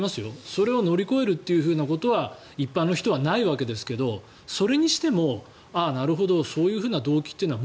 それを乗り越えるということは一般の人はないわけですけどそれにしても、ああなるほどそういう動機っていうのは